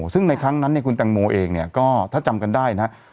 ซึ่งในครั้งนั้นคุณตังโมเองก็ถ้าจำกันได้นะ